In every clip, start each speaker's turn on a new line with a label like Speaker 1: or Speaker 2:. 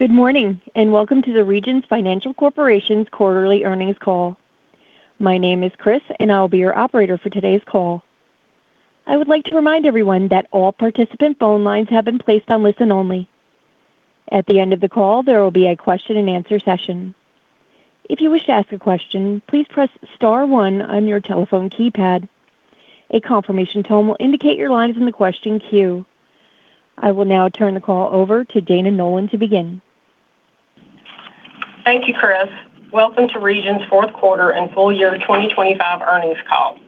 Speaker 1: Good morning and welcome to the Regions Financial Corporation's quarterly earnings call. My name is Chris, and I'll be your operator for today's call. I would like to remind everyone that all participant phone lines have been placed on listen only. At the end of the call, there will be a question-and-answer session. If you wish to ask a question, please press star one on your telephone keypad. A confirmation tone will indicate your line is in the question queue. I will now turn the call over to Dana Nolan to begin.
Speaker 2: Thank you, Chris. Welcome to Regions' fourth quarter and full year 2025 earnings call.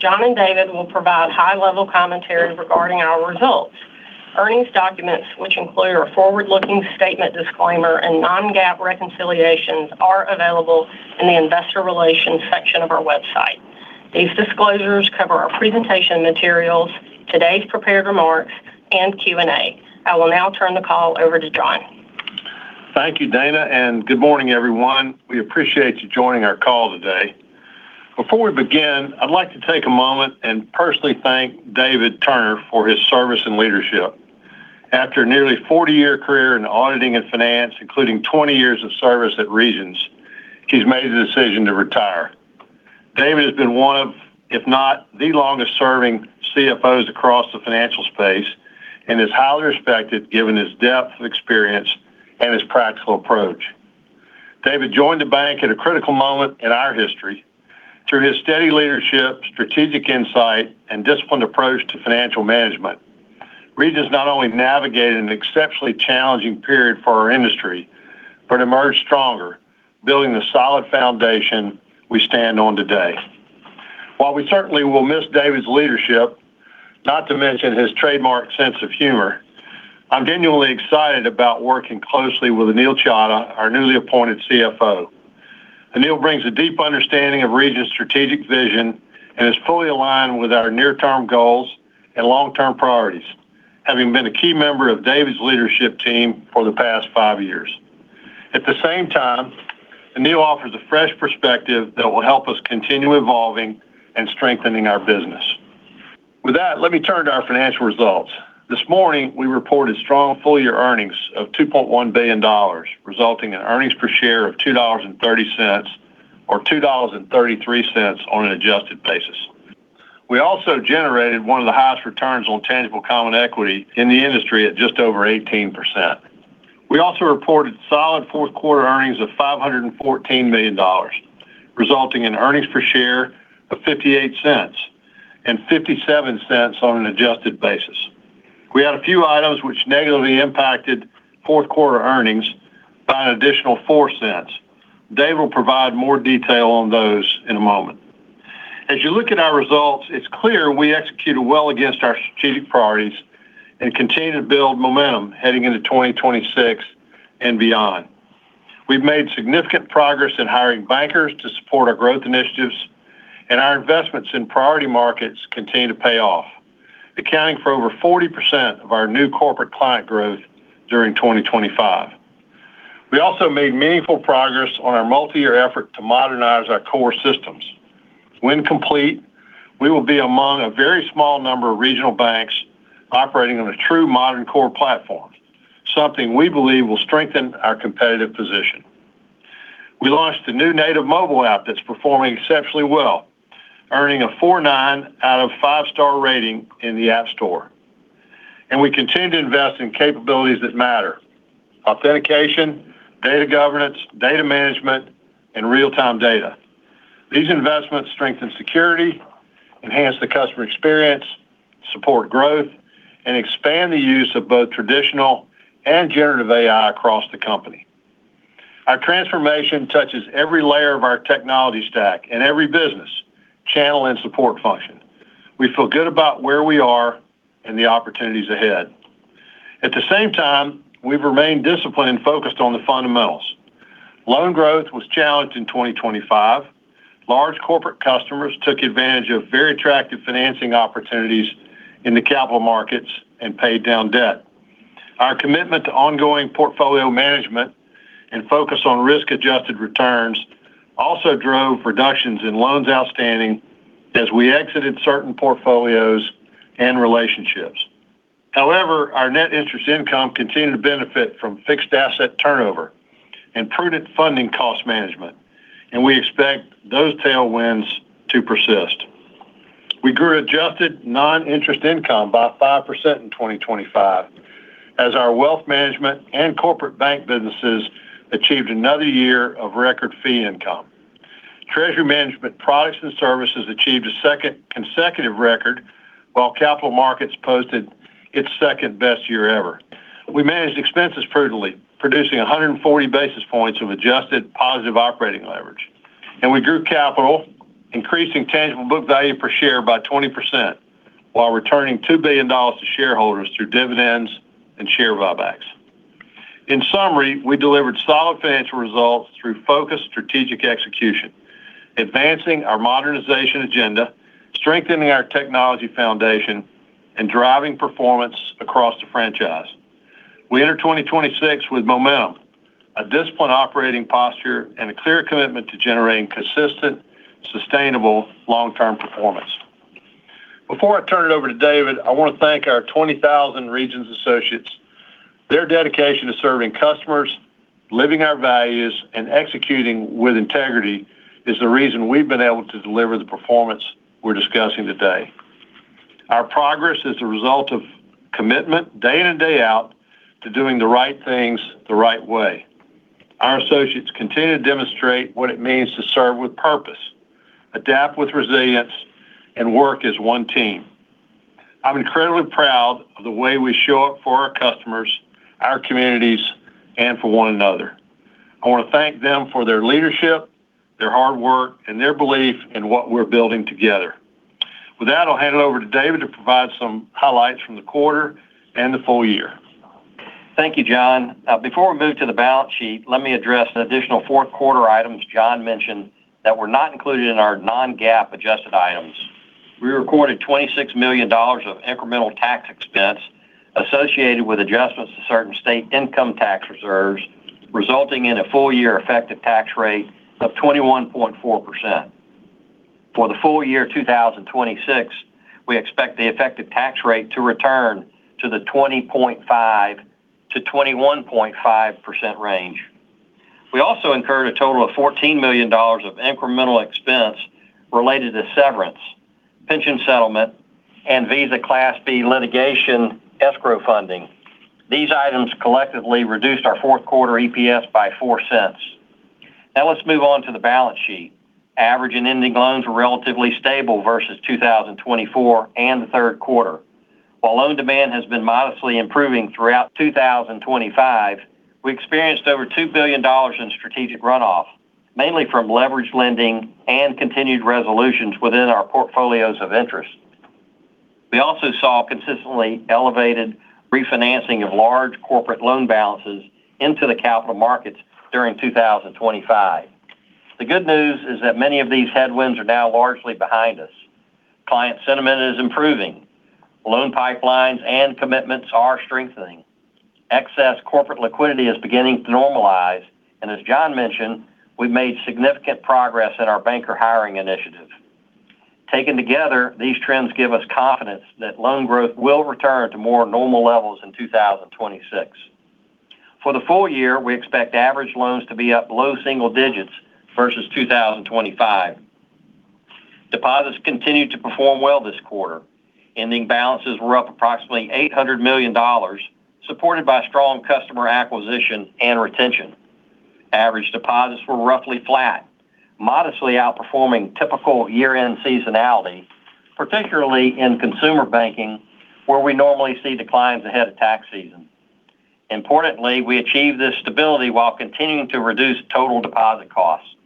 Speaker 2: John and David will provide high-level commentary regarding our results. Earnings documents, which include our forward-looking statement disclaimer and non-GAAP reconciliations, are available in the investor relations section of our website. These disclosures cover our presentation materials, today's prepared remarks, and Q&A. I will now turn the call over to John.
Speaker 3: Thank you, Dana, and good morning, everyone. We appreciate you joining our call today. Before we begin, I'd like to take a moment and personally thank David Turner for his service and leadership. After a nearly 40-year career in auditing and finance, including 20 years of service at Regions, he's made the decision to retire. David has been one of, if not the longest-serving CFOs across the financial space and is highly respected given his depth of experience and his practical approach. David joined the bank at a critical moment in our history through his steady leadership, strategic insight, and disciplined approach to financial management. Regions not only navigated an exceptionally challenging period for our industry but emerged stronger, building the solid foundation we stand on today. While we certainly will miss David's leadership, not to mention his trademark sense of humor, I'm genuinely excited about working closely with Anil Chadha, our newly appointed CFO. Anil brings a deep understanding of Regions' strategic vision and is fully aligned with our near-term goals and long-term priorities, having been a key member of David's leadership team for the past five years. At the same time, Anil offers a fresh perspective that will help us continue evolving and strengthening our business. With that, let me turn to our financial results. This morning, we reported strong full-year earnings of $2.1 billion, resulting in earnings per share of $2.30 or $2.33 on an adjusted basis. We also generated one of the highest returns on tangible common equity in the industry at just over 18%. We also reported solid fourth-quarter earnings of $514 million, resulting in earnings per share of $0.58 and $0.57 on an adjusted basis. We had a few items which negatively impacted fourth-quarter earnings by an additional $0.04. David will provide more detail on those in a moment. As you look at our results, it's clear we executed well against our strategic priorities and continue to build momentum heading into 2026 and beyond. We've made significant progress in hiring bankers to support our growth initiatives, and our investments in priority markets continue to pay off, accounting for over 40% of our new corporate client growth during 2025. We also made meaningful progress on our multi-year effort to modernize our core systems. When complete, we will be among a very small number of regional banks operating on a true modern core platform, something we believe will strengthen our competitive position. We launched a new native mobile app that's performing exceptionally well, earning a 4.9 out of five-star rating in the App Store, and we continue to invest in capabilities that matter: authentication, data governance, data management, and real-time data. These investments strengthen security, enhance the customer experience, support growth, and expand the use of both traditional and generative AI across the company. Our transformation touches every layer of our technology stack and every business channel and support function. We feel good about where we are and the opportunities ahead. At the same time, we've remained disciplined and focused on the fundamentals. Loan growth was challenged in 2025. Large corporate customers took advantage of very attractive financing opportunities in the Capital Markets and paid down debt. Our commitment to ongoing portfolio management and focus on risk-adjusted returns also drove reductions in loans outstanding as we exited certain portfolios and relationships. However, our net interest income continued to benefit from fixed asset turnover and prudent funding cost management, and we expect those tailwinds to persist. We grew adjusted non-interest income by 5% in 2025 as our Wealth Management and Corporate Bank businesses achieved another year of record fee income. Treasury management products and services achieved a second consecutive record while Capital Markets posted its second best year ever. We managed expenses prudently, producing 140 basis points of adjusted positive operating leverage, and we grew capital, increasing tangible book value per share by 20% while returning $2 billion to shareholders through dividends and share buybacks. In summary, we delivered solid financial results through focused strategic execution, advancing our modernization agenda, strengthening our technology foundation, and driving performance across the franchise. We enter 2026 with momentum, a disciplined operating posture, and a clear commitment to generating consistent, sustainable long-term performance. Before I turn it over to David, I want to thank our 20,000 Regions associates. Their dedication to serving customers, living our values, and executing with integrity is the reason we've been able to deliver the performance we're discussing today. Our progress is the result of commitment day in and day out to doing the right things the right way. Our associates continue to demonstrate what it means to serve with purpose, adapt with resilience, and work as one team. I'm incredibly proud of the way we show up for our customers, our communities, and for one another. I want to thank them for their leadership, their hard work, and their belief in what we're building together. With that, I'll hand it over to David to provide some highlights from the quarter and the full year.
Speaker 4: Thank you, John. Now, before we move to the balance sheet, let me address an additional fourth-quarter items John mentioned that were not included in our non-GAAP adjusted items. We recorded $26 million of incremental tax expense associated with adjustments to certain state income tax reserves, resulting in a full-year effective tax rate of 21.4%. For the full year 2026, we expect the effective tax rate to return to the 20.5%-21.5% range. We also incurred a total of $14 million of incremental expense related to severance, pension settlement, and Visa Class B litigation escrow funding. These items collectively reduced our fourth-quarter EPS by $0.04. Now, let's move on to the balance sheet. Average and ending loans were relatively stable versus 2024 and the third quarter. While loan demand has been modestly improving throughout 2025, we experienced over $2 billion in strategic runoff, mainly from leveraged lending and continued resolutions within our portfolios of interest. We also saw consistently elevated refinancing of large corporate loan balances into the Capital Markets during 2025. The good news is that many of these headwinds are now largely behind us. Client sentiment is improving. Loan pipelines and commitments are strengthening. Excess corporate liquidity is beginning to normalize, and as John mentioned, we've made significant progress in our banker hiring initiative. Taken together, these trends give us confidence that loan growth will return to more normal levels in 2026. For the full year, we expect average loans to be up below single digits versus 2025. Deposits continued to perform well this quarter. Ending balances were up approximately $800 million, supported by strong customer acquisition and retention. Average deposits were roughly flat, modestly outperforming typical year-end seasonality, particularly in consumer banking, where we normally see declines ahead of tax season. Importantly, we achieved this stability while continuing to reduce total deposit costs.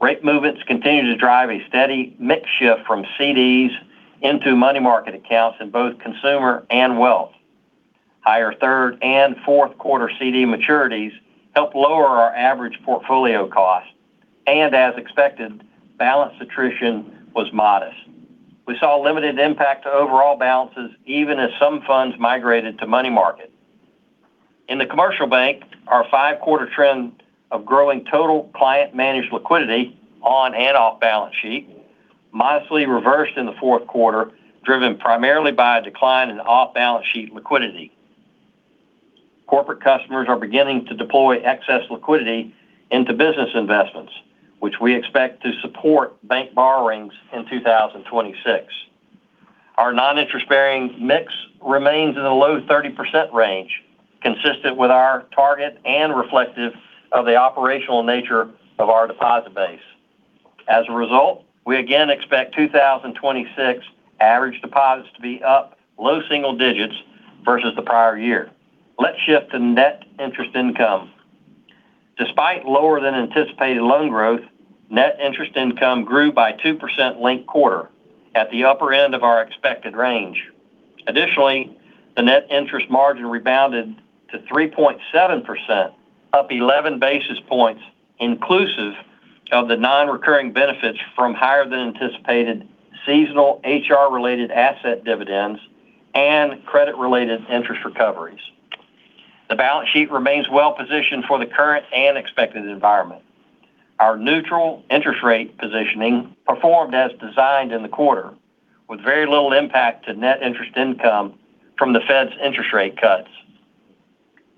Speaker 4: Rate movements continue to drive a steady mix shift from CDs into money market accounts in both consumer and wealth. Higher third- and fourth-quarter CD maturities helped lower our average portfolio cost, and as expected, balance attrition was modest. We saw limited impact to overall balances even as some funds migrated to money market. In the Commercial Bank, our five-quarter trend of growing total client-managed liquidity on and off balance sheet modestly reversed in the fourth quarter, driven primarily by a decline in off-balance sheet liquidity. Corporate customers are beginning to deploy excess liquidity into business investments, which we expect to support bank borrowings in 2026. Our non-interest-bearing mix remains in the low 30% range, consistent with our target and reflective of the operational nature of our deposit base. As a result, we again expect 2026 average deposits to be up low single digits versus the prior year. Let's shift to net interest income. Despite lower than anticipated loan growth, net interest income grew by 2% linked quarter at the upper end of our expected range. Additionally, the net interest margin rebounded to 3.7%, up 11 basis points inclusive of the non-recurring benefits from higher than anticipated seasonal HR-related asset dividends and credit-related interest recoveries. The balance sheet remains well-positioned for the current and expected environment. Our neutral interest rate positioning performed as designed in the quarter, with very little impact to net interest income from the Fed's interest rate cuts.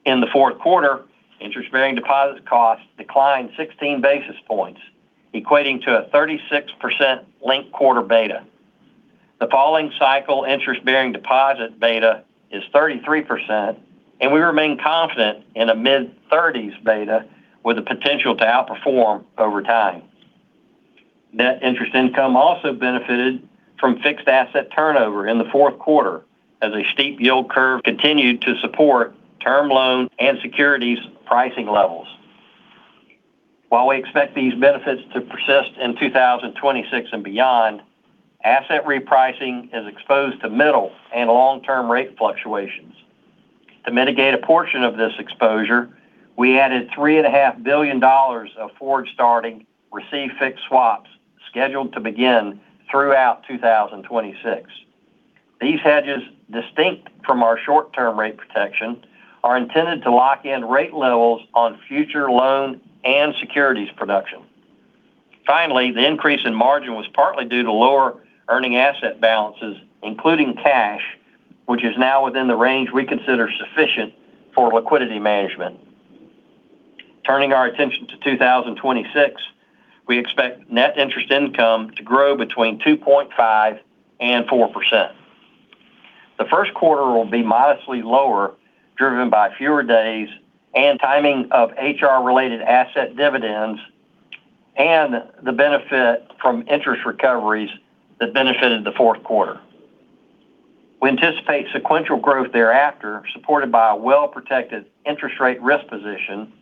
Speaker 4: In the fourth quarter, interest-bearing deposit costs declined 16 basis points, equating to a 36% link quarter beta. The falling cycle interest-bearing deposit beta is 33%, and we remain confident in a mid-30s beta with a potential to outperform over time. Net interest income also benefited from fixed asset turnover in the fourth quarter as a steep yield curve continued to support term loan and securities pricing levels. While we expect these benefits to persist in 2026 and beyond, asset repricing is exposed to middle and long-term rate fluctuations. To mitigate a portion of this exposure, we added $3.5 billion of forward-starting recieve-fixed swaps scheduled to begin throughout 2026. These hedges, distinct from our short-term rate protection, are intended to lock in rate levels on future loan and securities production. Finally, the increase in margin was partly due to lower earning asset balances, including cash, which is now within the range we consider sufficient for liquidity management. Turning our attention to 2026, we expect net interest income to grow between 2.5% and 4%. The first quarter will be modestly lower, driven by fewer days and timing of HR-related asset dividends and the benefit from interest recoveries that benefited the fourth quarter. We anticipate sequential growth thereafter, supported by a well-protected interest rate risk position,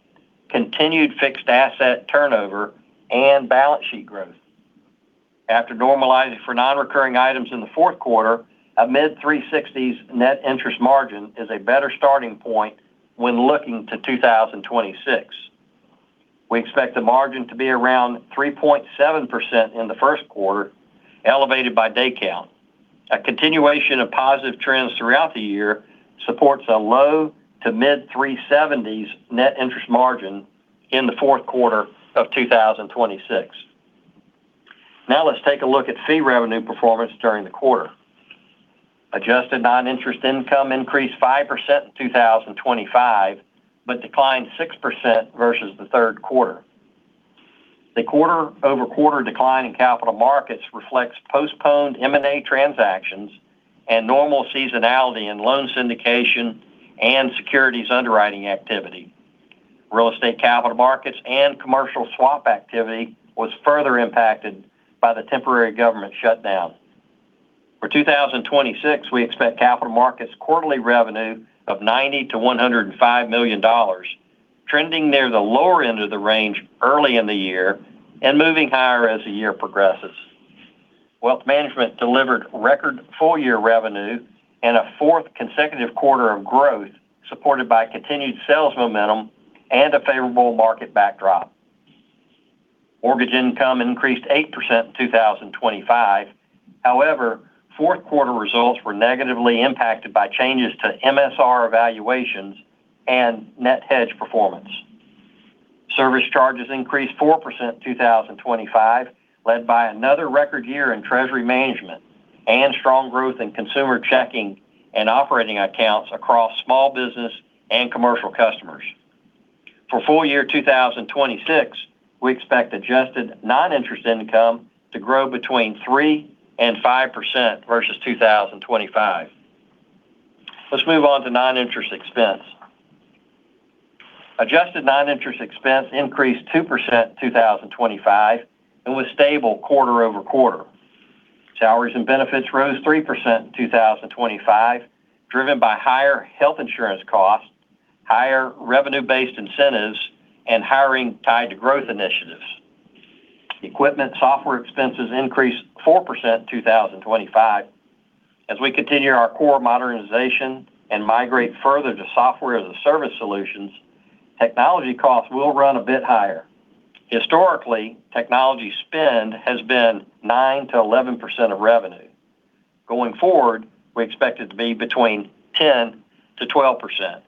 Speaker 4: continued fixed asset turnover, and balance sheet growth. After normalizing for non-recurring items in the fourth quarter, a mid-360s net interest margin is a better starting point when looking to 2026. We expect the margin to be around 3.7% in the first quarter, elevated by day count. A continuation of positive trends throughout the year supports a low to mid-370s net interest margin in the fourth quarter of 2026. Now, let's take a look at fee revenue performance during the quarter. Adjusted non-interest income increased 5% in 2025 but declined 6% versus the third quarter. The quarter-over-quarter decline in Capital Markets reflects postponed M&A transactions and normal seasonality in loan syndication and securities underwriting activity. Real Estate Capital Markets and commercial swap activity was further impacted by the temporary government shutdown. For 2026, we expect Capital Markets quarterly revenue of $90-$105 million, trending near the lower end of the range early in the year and moving higher as the year progresses. Wealth Management delivered record full-year revenue and a fourth consecutive quarter of growth, supported by continued sales momentum and a favorable market backdrop. Mortgage income increased 8% in 2025. However, fourth-quarter results were negatively impacted by changes to MSR valuations and net hedge performance. Service charges increased 4% in 2025, led by another record year in treasury management and strong growth in consumer checking and operating accounts across small business and commercial customers. For full year 2026, we expect adjusted non-interest income to grow between 3% and 5% versus 2025. Let's move on to non-interest expense. Adjusted non-interest expense increased 2% in 2025 and was stable quarter over quarter. Salaries and benefits rose 3% in 2025, driven by higher health insurance costs, higher revenue-based incentives, and hiring tied to growth initiatives. Equipment software expenses increased 4% in 2025. As we continue our core modernization and migrate further to software as a service solutions, technology costs will run a bit higher. Historically, technology spend has been 9% to 11% of revenue. Going forward, we expect it to be between 10%-12%.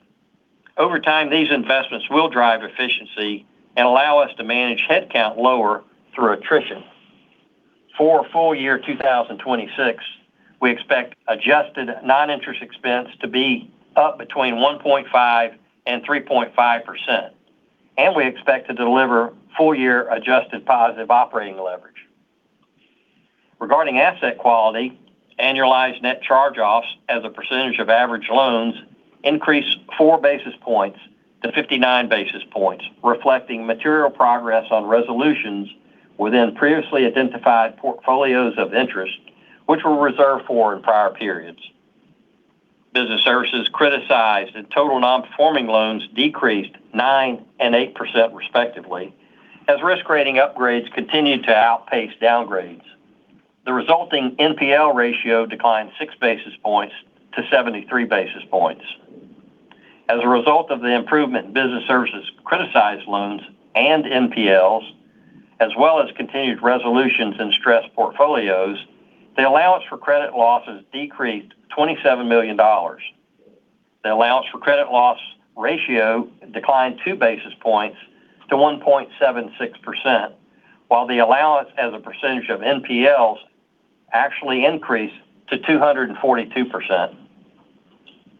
Speaker 4: Over time, these investments will drive efficiency and allow us to manage headcount lower through attrition. For full year 2026, we expect adjusted non-interest expense to be up between 1.5%-3.5%, and we expect to deliver full-year adjusted positive operating leverage. Regarding asset quality, annualized net charge-offs as a percentage of average loans increased 4 basis points to 59 basis points, reflecting material progress on resolutions within previously identified portfolios of interest, which were reserved for in prior periods. Business Services, credit cards, that total non-performing loans decreased 9% and 8% respectively as risk-rating upgrades continued to outpace downgrades. The resulting NPL ratio declined 6 basis points to 73 basis points. As a result of the improvement in Business Services criticized loans and NPLs, as well as continued resolutions and stressed portfolios, the allowance for credit losses decreased $27 million. The allowance for credit loss ratio declined two basis points to 1.76%, while the allowance as a percentage of NPLs actually increased to 242%.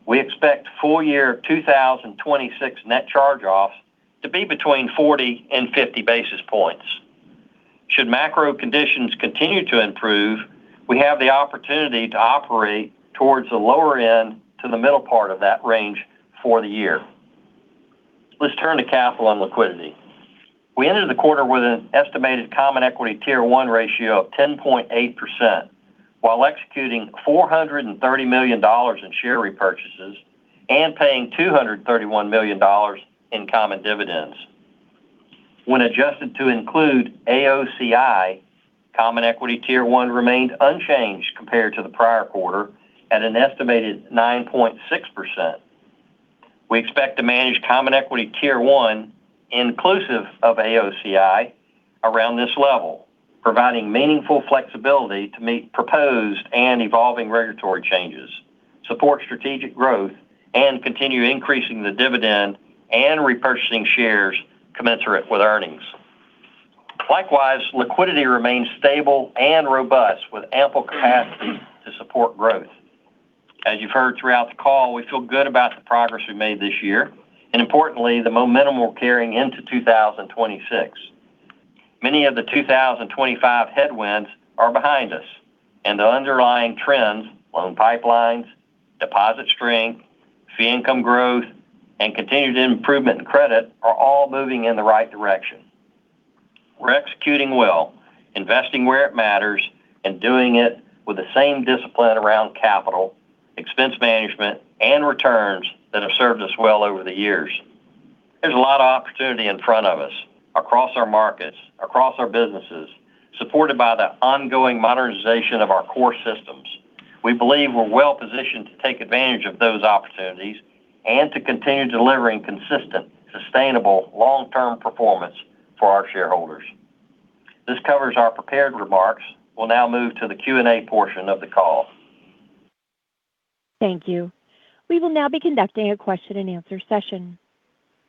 Speaker 4: We expect full year 2026 net charge-offs to be between 40 and 50 basis points. Should macro conditions continue to improve, we have the opportunity to operate towards the lower end to the middle part of that range for the year. Let's turn to capital and liquidity. We ended the quarter with an estimated common equity tier 1 ratio of 10.8%, while executing $430 million in share repurchases and paying $231 million in common dividends. When adjusted to include AOCI, common equity tier 1 remained unchanged compared to the prior quarter at an estimated 9.6%. We expect to manage Common Equity Tier 1 inclusive of AOCI around this level, providing meaningful flexibility to meet proposed and evolving regulatory changes, support strategic growth, and continue increasing the dividend and repurchasing shares commensurate with earnings. Likewise, liquidity remains stable and robust with ample capacity to support growth. As you've heard throughout the call, we feel good about the progress we made this year and, importantly, the momentum we're carrying into 2026. Many of the 2025 headwinds are behind us, and the underlying trends, loan pipelines, deposit strength, fee income growth, and continued improvement in credit, are all moving in the right direction. We're executing well, investing where it matters, and doing it with the same discipline around capital, expense management, and returns that have served us well over the years. There's a lot of opportunity in front of us across our markets, across our businesses, supported by the ongoing modernization of our core systems. We believe we're well-positioned to take advantage of those opportunities and to continue delivering consistent, sustainable long-term performance for our shareholders. This covers our prepared remarks. We'll now move to the Q&A portion of the call.
Speaker 1: Thank you. We will now be conducting a question-and-answer session.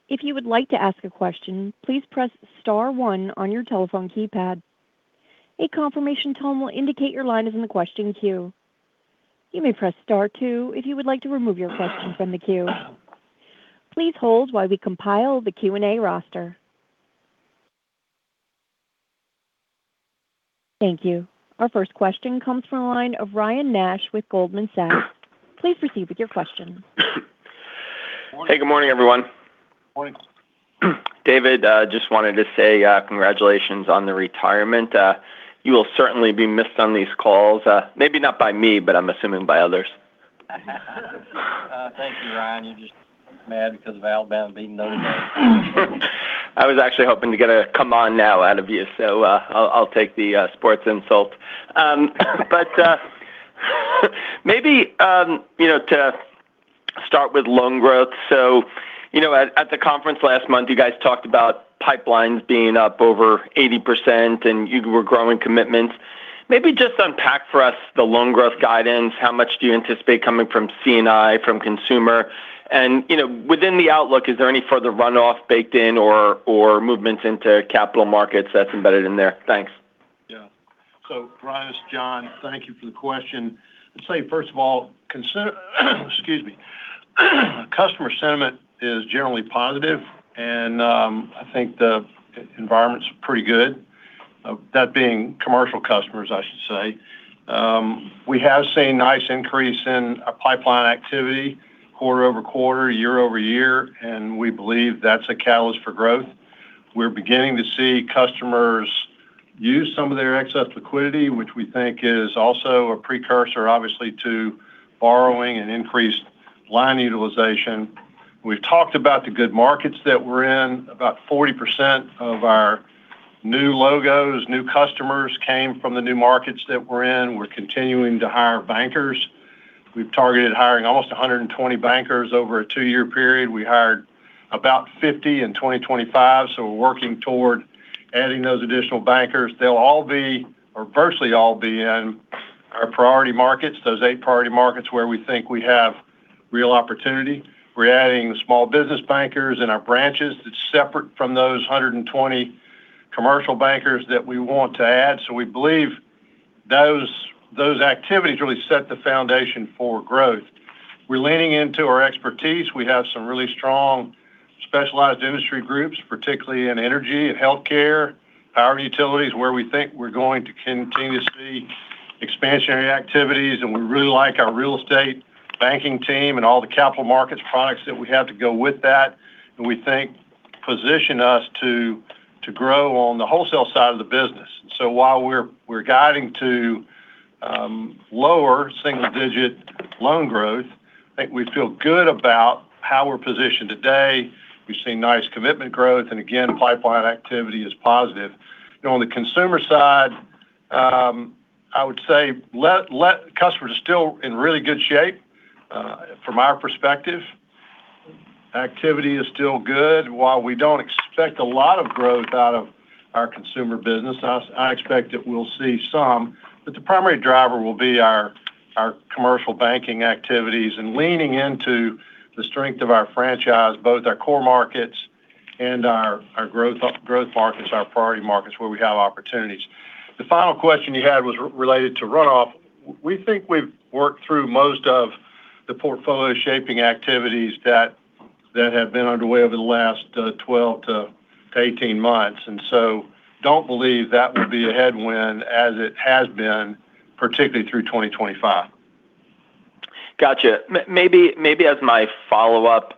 Speaker 1: If you would like to ask a question, please press Star 1 on your telephone keypad. A confirmation tone will indicate your line is in the question queue. You may press Star 2 if you would like to remove your question from the queue. Please hold while we compile the Q&A roster. Thank you. Our first question comes from a line of Ryan Nash with Goldman Sachs. Please proceed with your question.
Speaker 5: Hey, good morning, everyone. Good morning. David, just wanted to say congratulations on the retirement. You will certainly be missed on these calls. Maybe not by me, but I'm assuming by others.
Speaker 4: Thank you, Ryan. You're just mad because of Alabama beating the other day.
Speaker 5: I was actually hoping to get a come on now out of you, so I'll take the sports insult. But maybe to start with loan growth. So at the conference last month, you guys talked about pipelines being up over 80%, and you were growing commitments. Maybe just unpack for us the loan growth guidance. How much do you anticipate coming from C&I, from consumer? And within the outlook, is there any further runoff baked in or movements into Capital Markets that's embedded in there? Thanks.
Speaker 3: Yeah. So Ryan, this is John. Thank you for the question. I'd say, first of all, excuse me, customer sentiment is generally positive, and I think the environment's pretty good. That being commercial customers, I should say. We have seen a nice increase in pipeline activity quarter over quarter, year over year, and we believe that's a catalyst for growth. We're beginning to see customers use some of their excess liquidity, which we think is also a precursor, obviously, to borrowing and increased line utilization. We've talked about the good markets that we're in. About 40% of our new logos, new customers came from the new markets that we're in. We're continuing to hire bankers. We've targeted hiring almost 120 bankers over a two-year period. We hired about 50 in 2025, so we're working toward adding those additional bankers. They'll all be or virtually all be in our priority markets, those eight priority markets where we think we have real opportunity. We're adding small business bankers in our branches, that's separate from those 120 Commercial Bankers that we want to add. So we believe those activities really set the foundation for growth. We're leaning into our expertise. We have some really strong specialized industry groups, particularly in energy and healthcare, power utilities, where we think we're going to continue to see expansionary activities. And we really like our real estate banking team and all the Capital Markets products that we have to go with that. And we think position us to grow on the wholesale side of the business. And so while we're guiding to lower single-digit loan growth, I think we feel good about how we're positioned today. We've seen nice commitment growth, and again, pipeline activity is positive. On the consumer side, I would say customers are still in really good shape from our perspective. Activity is still good. While we don't expect a lot of growth out of our consumer business, I expect that we'll see some. But the primary driver will be our Commercial Banking activities and leaning into the strength of our franchise, both our core markets and our growth markets, our priority markets where we have opportunities. The final question you had was related to runoff. We think we've worked through most of the portfolio shaping activities that have been underway over the last 12-18 months. And so don't believe that will be a headwind as it has been, particularly through 2025.
Speaker 5: Gotcha. Maybe as my follow-up.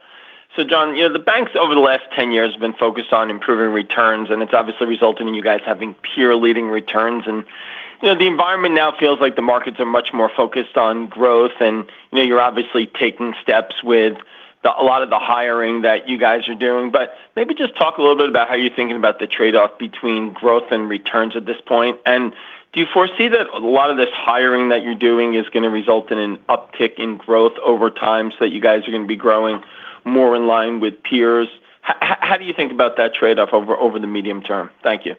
Speaker 5: So John, the banks over the last 10 years have been focused on improving returns, and it's obviously resulted in you guys having peer-leading returns. The environment now feels like the markets are much more focused on growth, and you're obviously taking steps with a lot of the hiring that you guys are doing. Maybe just talk a little bit about how you're thinking about the trade-off between growth and returns at this point. Do you foresee that a lot of this hiring that you're doing is going to result in an uptick in growth over time so that you guys are going to be growing more in line with peers? How do you think about that trade-off over the medium term? Thank you.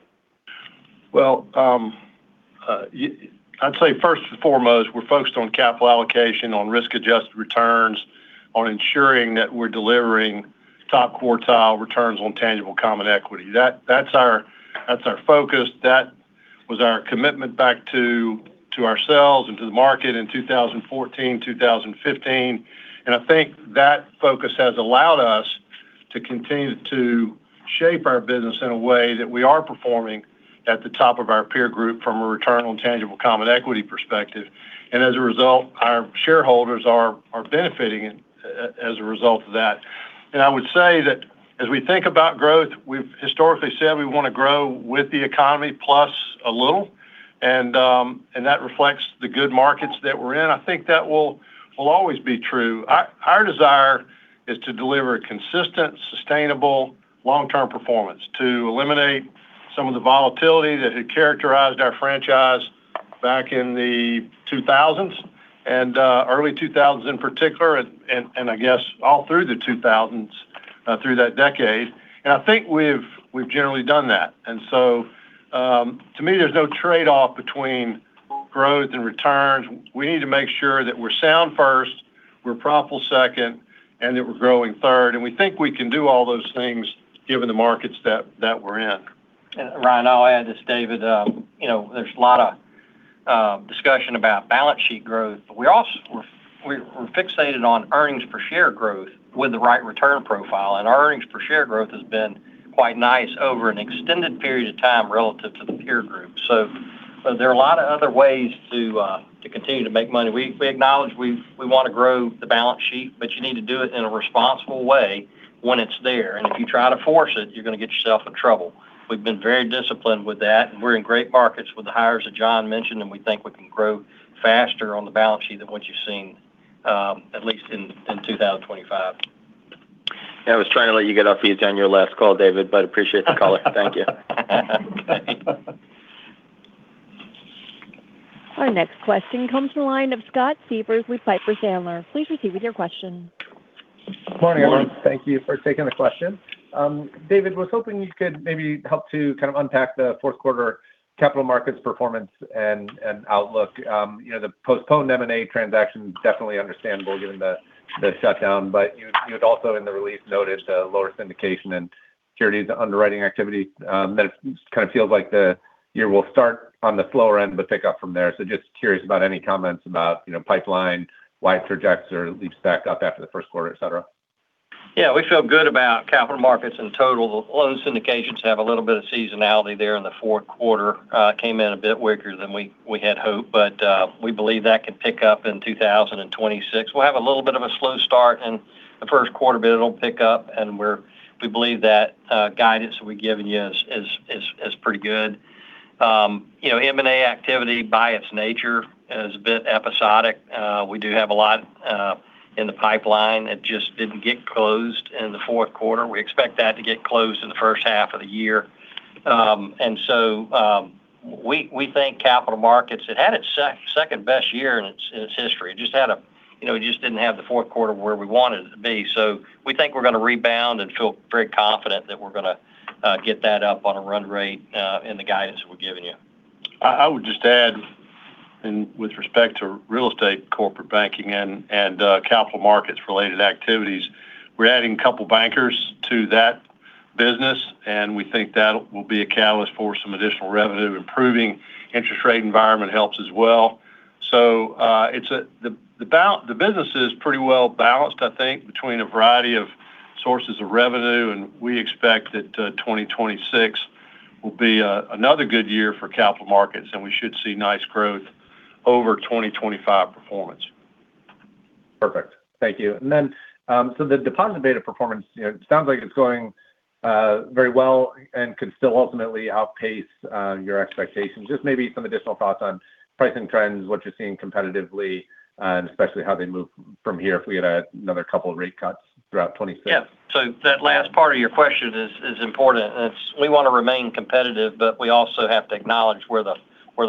Speaker 3: I'd say first and foremost, we're focused on capital allocation, on risk-adjusted returns, on ensuring that we're delivering top quartile returns on tangible common equity. That's our focus. That was our commitment back to ourselves and to the market in 2014, 2015. I think that focus has allowed us to continue to shape our business in a way that we are performing at the top of our peer group from a Return on Tangible Common Equity perspective. As a result, our shareholders are benefiting as a result of that. I would say that as we think about growth, we've historically said we want to grow with the economy plus a little, and that reflects the good markets that we're in. I think that will always be true. Our desire is to deliver consistent, sustainable, long-term performance, to eliminate some of the volatility that had characterized our franchise back in the 2000s and early 2000s in particular, and I guess all through the 2000s, through that decade. I think we've generally done that. So to me, there's no trade-off between growth and returns. We need to make sure that we're sound first, we're profitable second, and that we're growing third. And we think we can do all those things given the markets that we're.
Speaker 4: Ryan, I'll add this, David. There's a lot of discussion about balance sheet growth. We're fixated on earnings per share growth with the right return profile. And our earnings per share growth has been quite nice over an extended period of time relative to the peer group. So there are a lot of other ways to continue to make money. We acknowledge we want to grow the balance sheet, but you need to do it in a responsible way when it's there. And if you try to force it, you're going to get yourself in trouble. We've been very disciplined with that, and we're in great markets with the hires that John mentioned, and we think we can grow faster on the balance sheet than what you've seen, at least in 2025. Yeah, I was trying to let you get off the heat on your last call, David, but appreciate the call. Thank you.
Speaker 1: Our next question comes from the line of Scott Siefers, with Piper Sandler. Please proceed with your question.
Speaker 6: Good morning, everyone. Thank you for taking the question. David, I was hoping you could maybe help to kind of unpack the fourth quarter Capital Markets performance and outlook. The postponed M&A transaction is definitely understandable given the shutdown, but you had also in the release noted the lower syndication and securities underwriting activity. That kind of feels like the year will start on the slower end, but pick up from there.
Speaker 4: So, just curious about any comments about pipeline, why it projects or leaps back up after the first quarter, etc. Yeah, we feel good about Capital Markets in total. Loan syndications have a little bit of seasonality there in the fourth quarter. It came in a bit weaker than we had hoped, but we believe that can pick up in 2026. We'll have a little bit of a slow start in the first quarter, but it'll pick up, and we believe that guidance that we've given you is pretty good. M&A activity, by its nature, is a bit episodic. We do have a lot in the pipeline. It just didn't get closed in the fourth quarter. We expect that to get closed in the first half of the year. And so we think Capital Markets. It had its second best year in its history. It just didn't have the fourth quarter where we wanted it to be. So we think we're going to rebound and feel very confident that we're going to get that up on a run rate in the guidance that we've given you. I would just add, with respect to Real Estate Corporate Banking and Capital Markets-related activities, we're adding a couple of bankers to that business, and we think that will be a catalyst for some additional revenue. Improving interest rate environment helps as well. So the business is pretty well balanced, I think, between a variety of sources of revenue, and we expect that 2026 will be another good year for Capital Markets, and we should see nice growth over 2025 performance.
Speaker 6: Perfect. Thank you. And then so the deposit-beta performance, it sounds like it's going very well and could still ultimately outpace your expectations. Just maybe some additional thoughts on pricing trends, what you're seeing competitively, and especially how they move from here if we get another couple of rate cuts throughout 2026?
Speaker 4: Yeah. So that last part of your question is important. We want to remain competitive, but we also have to acknowledge where the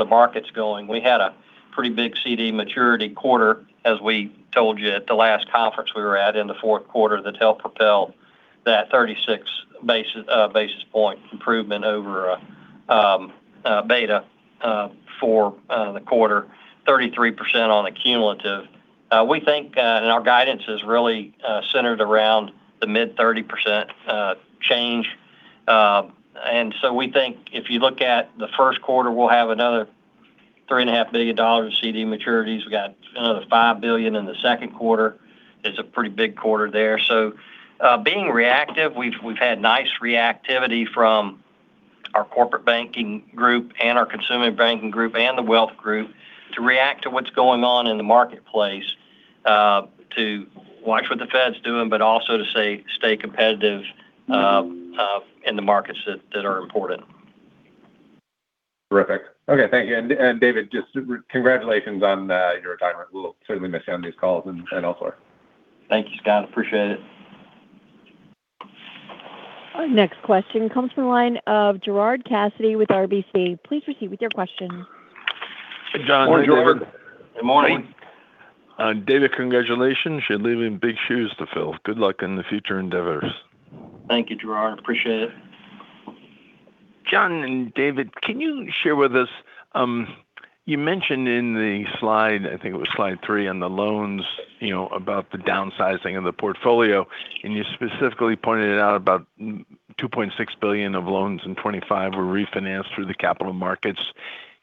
Speaker 4: market's going. We had a pretty big CD maturity quarter, as we told you at the last conference we were at in the fourth quarter, that helped propel that 36 basis point improvement over beta for the quarter, 33% on a cumulative. We think our guidance is really centered around the mid-30% change. And so we think if you look at the first quarter, we'll have another $3.5 billion of CD maturities. We got another $5 billion in the second quarter. It's a pretty big quarter there. So being reactive, we've had nice reactivity from our Corporate Banking group and our consumer banking group and the wealth group to react to what's going on in the marketplace, to watch what the Fed's doing, but also to stay competitive in the markets that are important.
Speaker 6: Perfect. Okay. Thank you. And David, just congratulations on your retirement. We'll certainly miss you on these calls and elsewhere.
Speaker 3: Thank you, Scott. Appreciate it.
Speaker 1: Our next question comes from the line of Gerard Cassidy with RBC. Please proceed with your question.
Speaker 7: Hey, John.
Speaker 4: Hey, Gerard. Good morning.
Speaker 8: David, congratulations. You're leaving big shoes to fill. Good luck in the future endeavors.
Speaker 4: Thank you, Gerard. Appreciate it.
Speaker 7: John and David, can you share with us? You mentioned in the slide, I think it was slide three on the loans, about the downsizing of the portfolio, and you specifically pointed out about $2.6 billion of loans in 2025 were refinanced through the Capital Markets.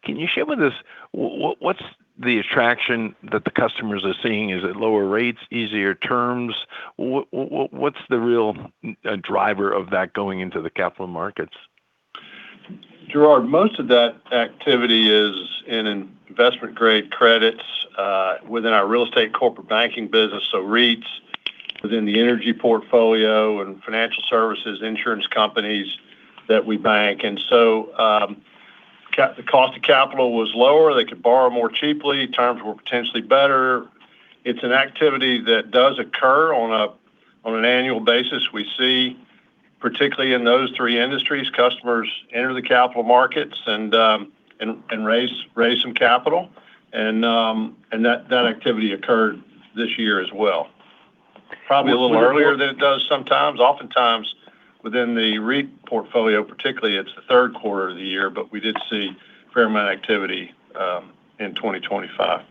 Speaker 7: Can you share with us what's the attraction that the customers are seeing? Is it lower rates, easier terms? What's the real driver of that going into the Capital Markets?
Speaker 4: Gerard, most of that activity is in investment-grade credits within our Real Estate Corporate Banking business, so REITs within the energy portfolio and financial services, insurance companies that we bank. And so the cost of capital was lower. They could borrow more cheaply. Terms were potentially better. It's an activity that does occur on an annual basis. We see, particularly in those three industries, customers enter the Capital Markets and raise some capital. And that activity occurred this year as well. Probably a little earlier than it does sometimes. Oftentimes, within the REIT portfolio, particularly, it's the third quarter of the year, but we did see a fair amount of activity in 2025.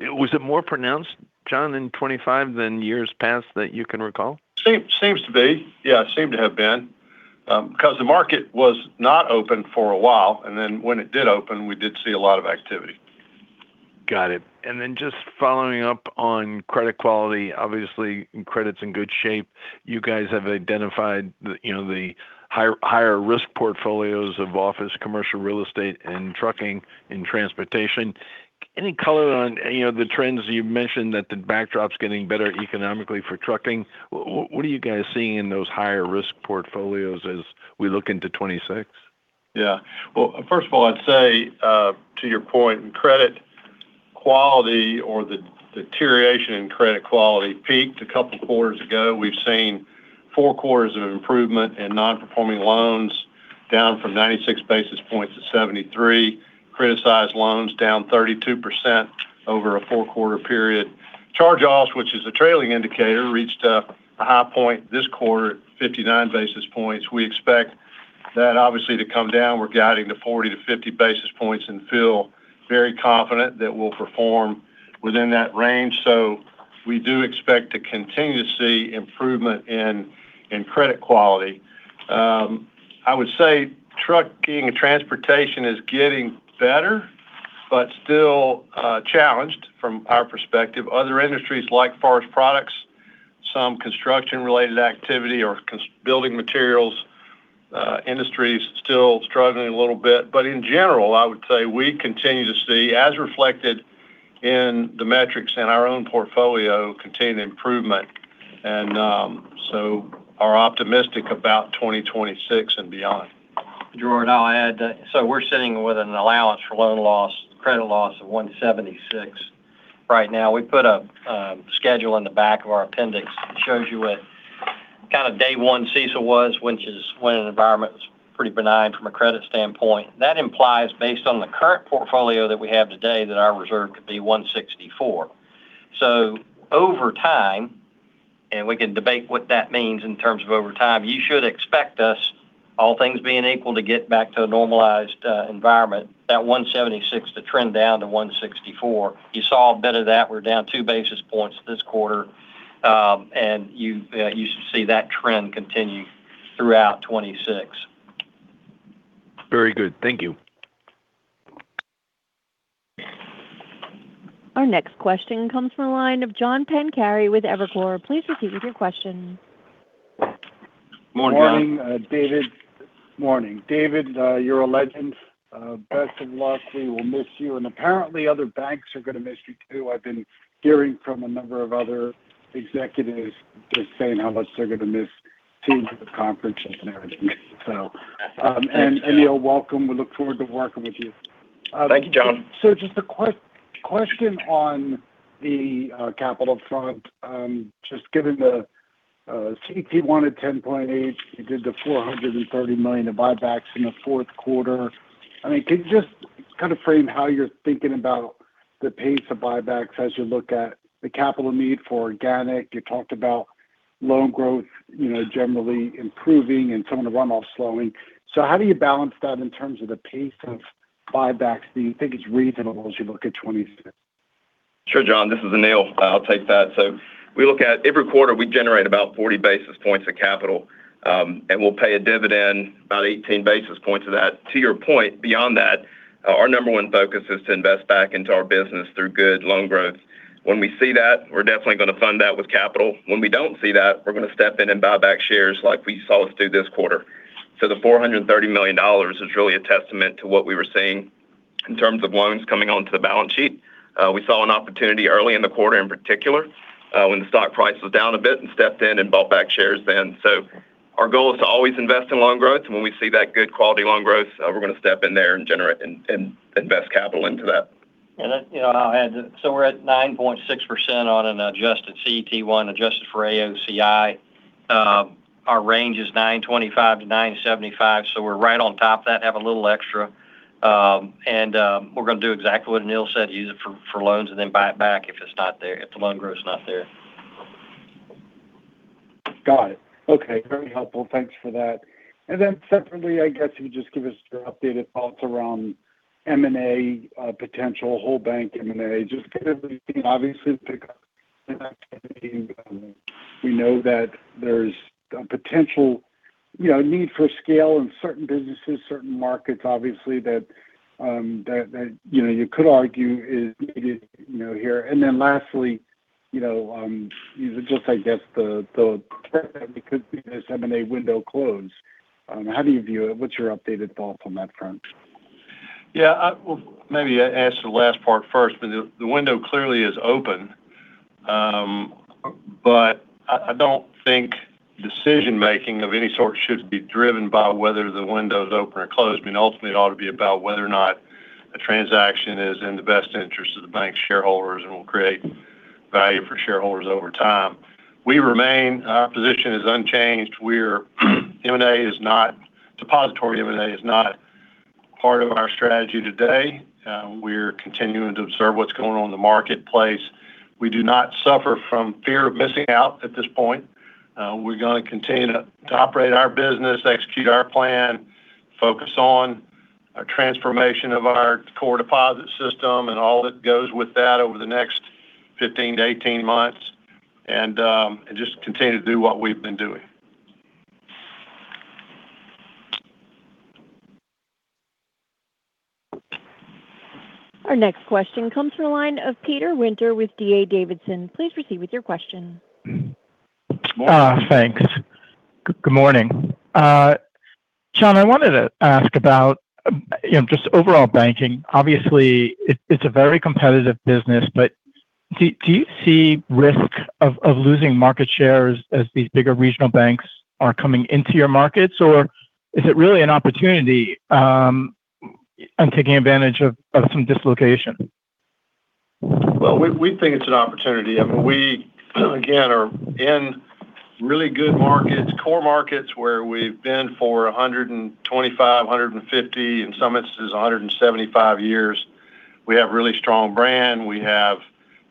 Speaker 7: Was it more pronounced, John, in 2025 than years past that you can recall?
Speaker 4: Seems to be. Yeah, it seemed to have been because the market was not open for a while. And then when it did open, we did see a lot of activity.
Speaker 7: Got it. And then just following up on credit quality, obviously, credit's in good shape. You guys have identified the higher-risk portfolios of office, commercial real estate, and trucking and transportation. Any color on the trends you mentioned that the backdrop's getting better economically for trucking? What are you guys seeing in those higher-risk portfolios as we look into 2026?
Speaker 4: Yeah. First of all, I'd say to your point, credit quality or the deterioration in credit quality peaked a couple of quarters ago. We've seen four quarters of improvement in non-performing loans down from 96 basis points to 73. Criticized loans down 32% over a four-quarter period. Charge-offs, which is a trailing indicator, reached a high point this quarter at 59 basis points. We expect that obviously to come down. We're guiding to 40-50 basis points and feel very confident that we'll perform within that range. So we do expect to continue to see improvement in credit quality. I would say trucking and transportation is getting better, but still challenged from our perspective. Other industries like forest products, some construction-related activity, or building materials industries still struggling a little bit. But in general, I would say we continue to see, as reflected in the metrics and our own portfolio, continued improvement. And so we're optimistic about 2026 and beyond. Gerard, I'll add that. So we're sitting with an allowance for loan loss, credit loss of 176 right now. We put a schedule in the back of our appendix. It shows you what kind of day one CECL was, which is when an environment was pretty benign from a credit standpoint. That implies, based on the current portfolio that we have today, that our reserve could be 164. So over time, and we can debate what that means in terms of over time, you should expect us, all things being equal, to get back to a normalized environment, that 176 to trend down to 164. You saw a bit of that. We're down two basis points this quarter. You should see that trend continue throughout '26.
Speaker 7: Very good. Thank you.
Speaker 1: Our next question comes from the line of John Pancari with Evercore. Please proceed with your question.
Speaker 9: Good morning, John. Good morning, David. Good morning. David, you're a legend. Best of luck. We will miss you. And apparently, other banks are going to miss you too. I've been hearing from a number of other executives just saying how much they're going to miss teams at the conferences and everything. So, and you're welcome. We look forward to working with you. Thank you, John. So just a question on the capital front. Just given the CET1 at 10.8%, you did the $430 million of buybacks in the fourth quarter. I mean, can you just kind of frame how you're thinking about the pace of buybacks as you look at the capital need for organic? You talked about loan growth generally improving and some of the runoff slowing. So how do you balance that in terms of the pace of buybacks that you think is reasonable as you look at 2026?
Speaker 10: Sure, John. This is Anil. I'll take that. So we look at every quarter, we generate about 40 basis points of capital, and we'll pay a dividend, about 18 basis points of that. To your point, beyond that, our number one focus is to invest back into our business through good loan growth. When we see that, we're definitely going to fund that with capital. When we don't see that, we're going to step in and buy back shares like we saw us do this quarter. So the $430 million is really a testament to what we were seeing in terms of loans coming onto the balance sheet. We saw an opportunity early in the quarter, in particular, when the stock price was down a bit and stepped in and bought back shares then. Our goal is to always invest in loan growth. And when we see that good quality loan growth, we're going to step in there and invest capital into that. And I'll add that. We're at 9.6% on an adjusted CET1, adjusted for AOCI. Our range is 9.25%-9.75%. We're right on top of that, have a little extra. And we're going to do exactly what Anil said, use it for loans and then buy it back if it's not there, if the loan growth's not there.
Speaker 9: Got it. Okay. Very helpful. Thanks for that. And then separately, I guess you would just give us your updated thoughts around M&A potential, whole bank M&A, just kind of obviously the pickup activity? We know that there's a potential need for scale in certain businesses, certain markets, obviously, that you could argue is needed here. And then lastly, just I guess the threat that we could see this M&A window close. How do you view it? What's your updated thoughts on that front?
Speaker 10: Yeah. Well, maybe I asked the last part first, but the window clearly is open. But I don't think decision-making of any sort should be driven by whether the window is open or closed. I mean, ultimately, it ought to be about whether or not a transaction is in the best interest of the bank's shareholders and will create value for shareholders over time. We remain. Our position is unchanged. M&A is not. Depository M&A is not part of our strategy today. We're continuing to observe what's going on in the marketplace. We do not suffer from fear of missing out at this point. We're going to continue to operate our business, execute our plan, focus on our transformation of our core deposit system and all that goes with that over the next 15-18 months, and just continue to do what we've been doing.
Speaker 1: Our next question comes from the line of Peter Winter with D.A. Davidson. Please proceed with your question.
Speaker 11: Thanks. Good morning. John, I wanted to ask about just overall banking. Obviously, it's a very competitive business, but do you see risk of losing market shares as these bigger regional banks are coming into your markets, or is it really an opportunity and taking advantage of some dislocation?
Speaker 3: Well, we think it's an opportunity. I mean, we, again, are in really good markets, core markets where we've been for 125, 150, in some instances 175 years. We have a really strong brand. We have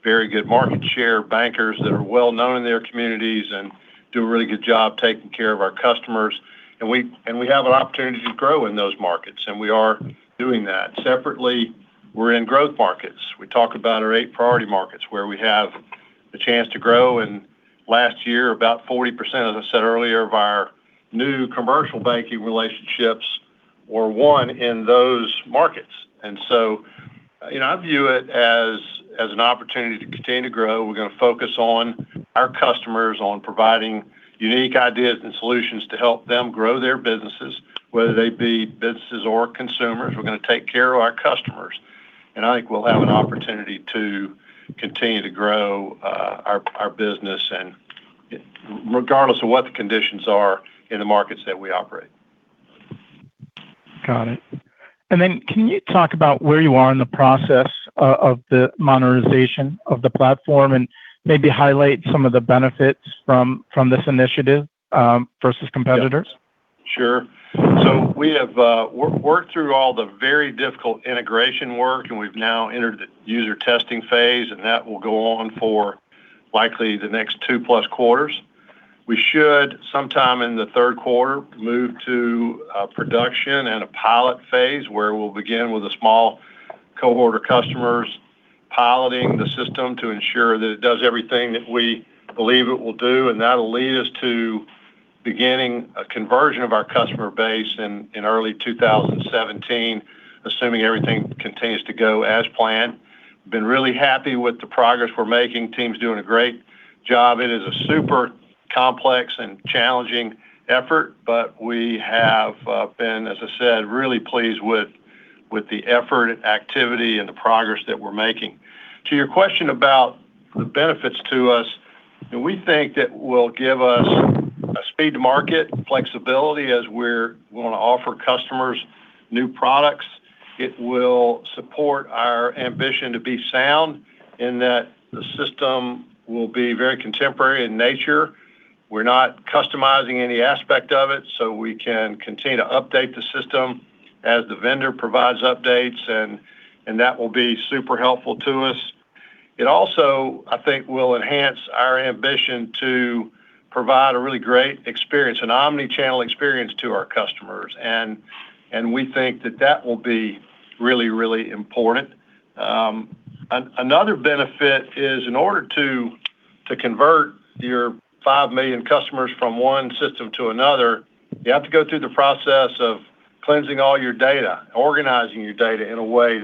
Speaker 3: very good market share, bankers that are well-known in their communities and do a really good job taking care of our customers. And we have an opportunity to grow in those markets, and we are doing that. Separately, we're in growth markets. We talk about our eight priority markets where we have the chance to grow. And last year, about 40%, as I said earlier, of our new Commercial Banking relationships were won in those markets. And so I view it as an opportunity to continue to grow. We're going to focus on our customers, on providing unique ideas and solutions to help them grow their businesses, whether they be businesses or consumers. We're going to take care of our customers. I think we'll have an opportunity to continue to grow our business regardless of what the conditions are in the markets that we operate.
Speaker 11: Got it. Then can you talk about where you are in the process of the modernization of the platform and maybe highlight some of the benefits from this initiative versus competitors?
Speaker 3: Sure. So we have worked through all the very difficult integration work, and we've now entered the user testing phase, and that will go on for likely the next two-plus quarters. We should, sometime in the third quarter, move to production and a pilot phase where we'll begin with a small cohort of customers piloting the system to ensure that it does everything that we believe it will do. That'll lead us to beginning a conversion of our customer base in early 2017, assuming everything continues to go as planned. We've been really happy with the progress we're making. Team's doing a great job. It is a super complex and challenging effort, but we have been, as I said, really pleased with the effort, activity, and the progress that we're making. To your question about the benefits to us, we think that will give us a speed to market, flexibility as we're going to offer customers new products. It will support our ambition to be sound in that the system will be very contemporary in nature. We're not customizing any aspect of it, so we can continue to update the system as the vendor provides updates, and that will be super helpful to us. It also, I think, will enhance our ambition to provide a really great experience, an omnichannel experience to our customers, and we think that that will be really, really important. Another benefit is, in order to convert your five million customers from one system to another, you have to go through the process of cleansing all your data, organizing your data in a way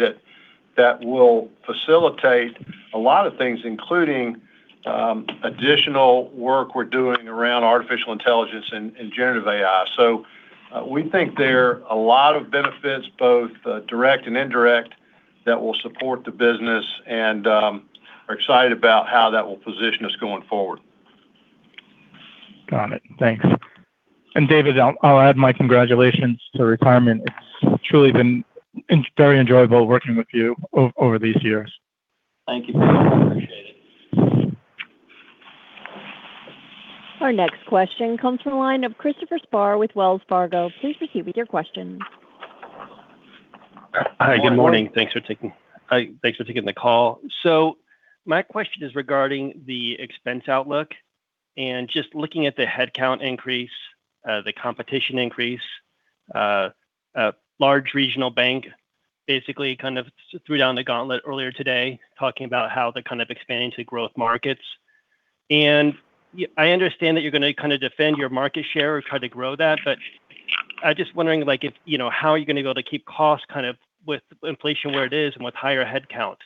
Speaker 3: that will facilitate a lot of things, including additional work we're doing around artificial intelligence and generative AI. So we think there are a lot of benefits, both direct and indirect, that will support the business, and we're excited about how that will position us going forward.
Speaker 11: Got it. Thanks. And David, I'll add my congratulations to retirement. It's truly been very enjoyable working with you over these years.
Speaker 4: Thank you. I appreciate it.
Speaker 1: Our next question comes from the line of Christopher Spahr with Wells Fargo. Please proceed with your question.
Speaker 12: Hi. Good morning. Thanks for taking the call. So my question is regarding the expense outlook. Just looking at the headcount increase, the competition increase, large regional bank basically kind of threw down the gauntlet earlier today talking about how they're kind of expanding to growth markets. I understand that you're going to kind of defend your market share or try to grow that, but I'm just wondering how are you going to be able to keep costs kind of with inflation where it is and with higher headcount?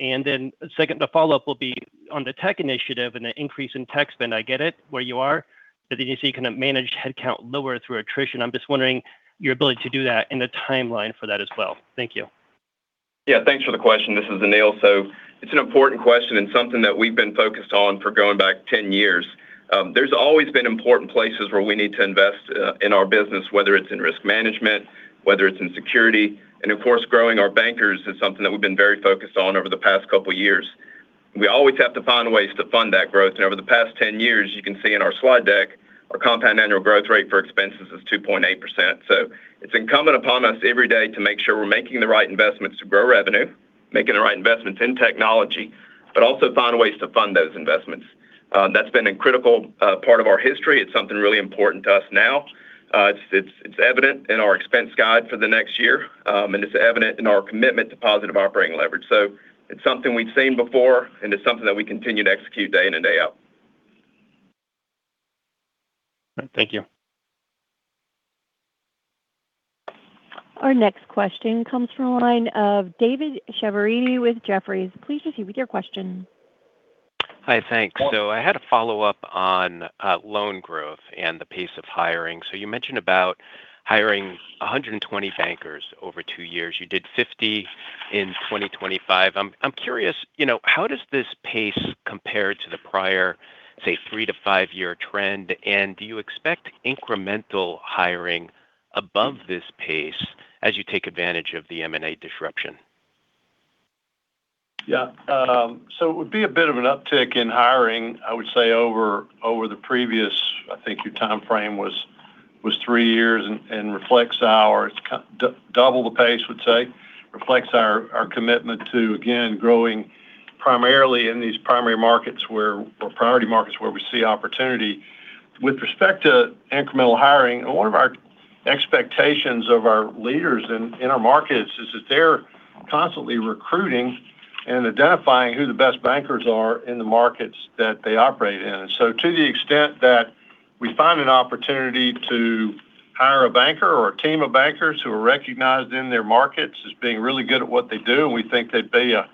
Speaker 12: And then the follow-up will be on the tech initiative and the increase in tech spend. I get it where you are, but then you see kind of managed headcount lower through attrition. I'm just wondering your ability to do that and the timeline for that as well. Thank you.
Speaker 10: Yeah. Thanks for the question. This is Anil, so it's an important question and something that we've been focused on for going back 10 years. There's always been important places where we need to invest in our business, whether it's in risk management, whether it's in security. Of course, growing our bankers is something that we've been very focused on over the past couple of years. We always have to find ways to fund that growth. Over the past 10 years, you can see in our slide deck, our compound annual growth rate for expenses is 2.8%. It's incumbent upon us every day to make sure we're making the right investments to grow revenue, making the right investments in technology, but also find ways to fund those investments. That's been a critical part of our history. It's something really important to us now. It's evident in our expense guide for the next year, and it's evident in our commitment to positive operating leverage. So it's something we've seen before, and it's something that we continue to execute day in and day out.
Speaker 12: Thank you.
Speaker 1: Our next question comes from the line of David Chiaverini with Jefferies. Please proceed with your question.
Speaker 13: Hi. Thanks. So I had a follow-up on loan growth and the pace of hiring. So you mentioned about hiring 120 bankers over two years. You did 50 in 2025. I'm curious, how does this pace compare to the prior, say, three to five-year trend? And do you expect incremental hiring above this pace as you take advantage of the M&A disruption?
Speaker 4: Yeah. So it would be a bit of an uptick in hiring, I would say, over the previous, I think your timeframe was three years and reflects our double the pace, we'd say, reflects our commitment to, again, growing primarily in these primary markets, our priority markets where we see opportunity. With respect to incremental hiring, one of our expectations of our leaders in our markets is that they're constantly recruiting and identifying who the best bankers are in the markets that they operate in. And so, to the extent that we find an opportunity to hire a banker or a team of bankers who are recognized in their markets as being really good at what they do, and we think they'd be a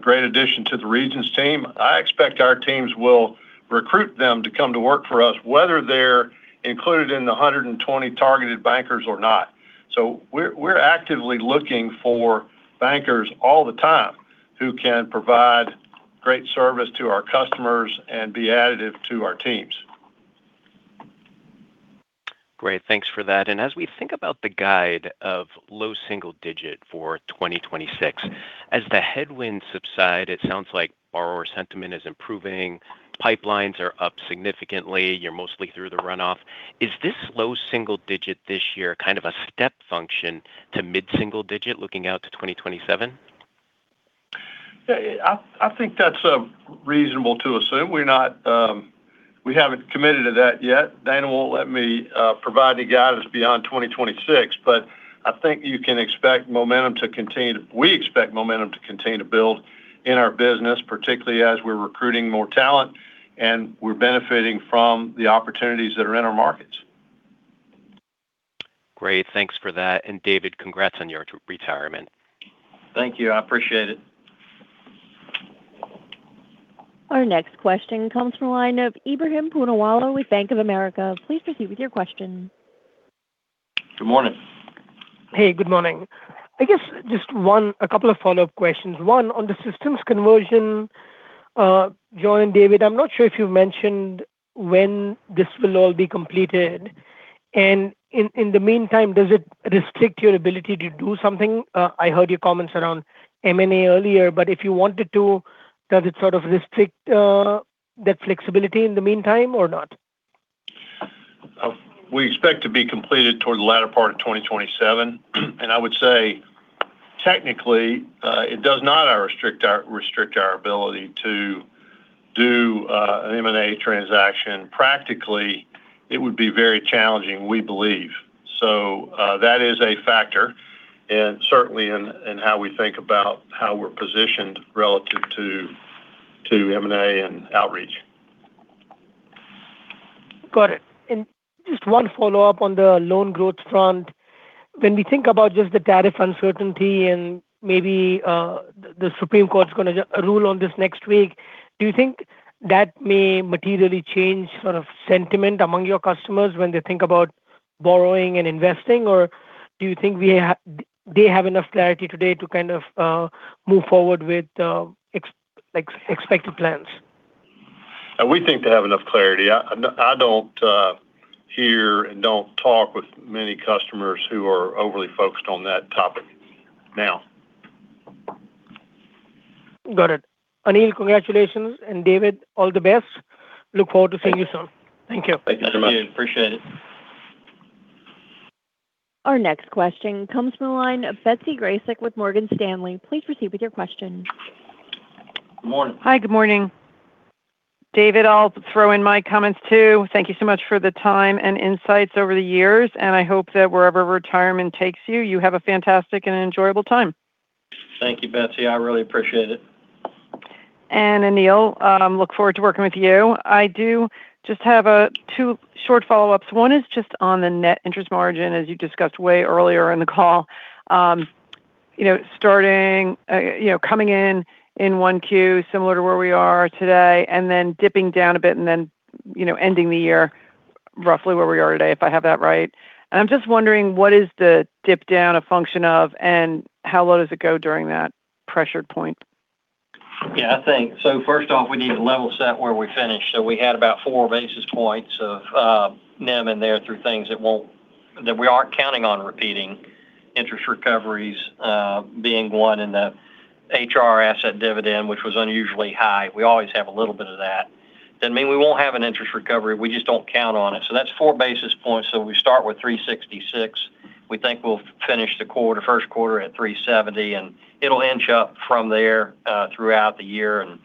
Speaker 4: great addition to the Regions team, I expect our teams will recruit them to come to work for us, whether they're included in the 120 targeted bankers or not. So we're actively looking for bankers all the time who can provide great service to our customers and be additive to our teams.
Speaker 13: Great. Thanks for that. And as we think about the guide of low single digit for 2026, as the headwinds subside, it sounds like borrower sentiment is improving. Pipelines are up significantly. You're mostly through the runoff. Is this low single digit this year kind of a step function to mid-single digit looking out to 2027?
Speaker 4: Yeah. I think that's reasonable to assume. We haven't committed to that yet. Dana won't let me provide any guidance beyond 2026, but I think you can expect momentum to continue. We expect momentum to continue to build in our business, particularly as we're recruiting more talent and we're benefiting from the opportunities that are in our markets.
Speaker 13: Great. Thanks for that. And David, congrats on your retirement.
Speaker 4: Thank you. I appreciate it.
Speaker 1: Our next question comes from the line of Ebrahim Poonawalla with Bank of America. Please proceed with your question.
Speaker 4: Good morning.
Speaker 14: Hey, good morning. I guess just a couple of follow-up questions. One, on the systems conversion, John and David, I'm not sure if you've mentioned when this will all be completed. And in the meantime, does it restrict your ability to do something? I heard your comments around M&A earlier, but if you wanted to, does it sort of restrict that flexibility in the meantime or not?
Speaker 10: We expect to be completed toward the latter part of 2027. And I would say, technically, it does not restrict our ability to do an M&A transaction. Practically, it would be very challenging, we believe. So that is a factor, and certainly in how we think about how we're positioned relative to M&A and outreach.
Speaker 14: Got it. And just one follow-up on the loan growth front. When we think about just the tariff uncertainty and maybe the Supreme Court's going to rule on this next week, do you think that may materially change sort of sentiment among your customers when they think about borrowing and investing, or do you think they have enough clarity today to kind of move forward with expected plans?
Speaker 10: We think they have enough clarity. I don't hear and don't talk with many customers who are overly focused on that topic now.
Speaker 14: Got it. Anil, congratulations. And David, all the best. Look forward to seeing you soon. Thank you.
Speaker 4: Thank you very much. Thank you. Appreciate it.
Speaker 1: Our next question comes from the line of Betsy Graseck with Morgan Stanley. Please proceed with your question.
Speaker 4: Good morning.
Speaker 15: Hi. Good morning. David, I'll throw in my comments too. Thank you so much for the time and insights over the years, and I hope that wherever retirement takes you, you have a fantastic and enjoyable time.
Speaker 4: Thank you, Betsy. I really appreciate it.
Speaker 15: And Anil, look forward to working with you. I do just have two short follow-ups. One is just on the net interest margin, as you discussed way earlier in the call, starting coming in in 1Q, similar to where we are today, and then dipping down a bit, and then ending the year roughly where we are today, if I have that right, and I'm just wondering, what is the dip down a function of, and how low does it go during that pressured point?
Speaker 10: Yeah. I think so. First off, we need to level set where we finished. So we had about four basis points of NIM in there through things that we aren't counting on repeating, interest recoveries being one in the HR asset dividend, which was unusually high. We always have a little bit of that. Doesn't mean we won't have an interest recovery. We just don't count on it, so that's four basis points, so we start with 366. We think we'll finish the first quarter at 370, and it'll inch up from there throughout the year, and